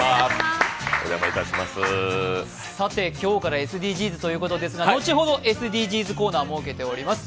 今日からＳＤＧｓということですが、後ほどＳＤＧｓコーナー設けております。